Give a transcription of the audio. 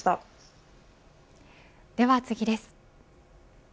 では、次です。